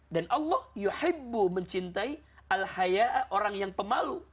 dan allah yuhibbu mencintai al hayaa orang yang pemalu